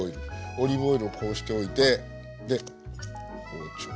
オリーブオイルをこうしておいてで包丁をこうしながら。